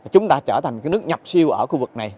chúng ta trở thành nước nhập siêu ở khu vực này